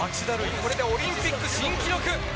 これでオリンピック新記録！